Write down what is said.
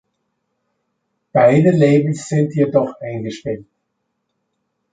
Beide Labels sind jedoch eingestellt.